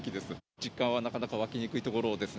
実感はなかなか湧きにくいところですね。